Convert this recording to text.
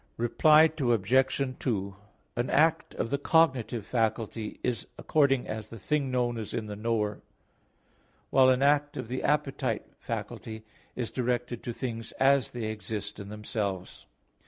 Reply Obj. 2: An act of the cognitive faculty is according as the thing known is in the knower; while an act of the appetite faculty is directed to things as they exist in themselves.